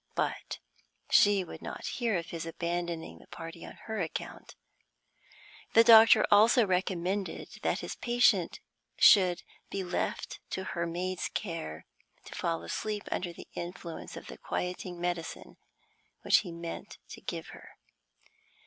But she would not hear of his abandoning the party on her account. The doctor also recommended that his patient should be left to her maid's care, to fall asleep under the influence of the quieting medicine which he meant to give her.